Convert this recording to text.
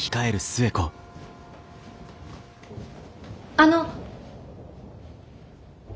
・あの！